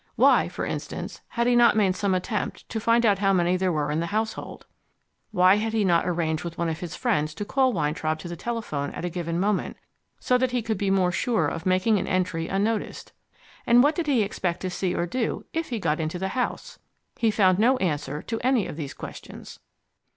Why (for instance) had he not made some attempt to find out how many there were in the household? Why had he not arranged with one of his friends to call Weintraub to the telephone at a given moment, so that he could be more sure of making an entry unnoticed? And what did he expect to see or do if he got inside the house? He found no answer to any of these questions.